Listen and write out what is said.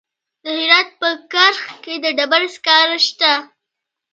د هرات په کرخ کې د ډبرو سکاره شته.